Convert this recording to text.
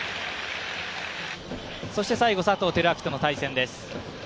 最後、佐藤輝明との対戦です。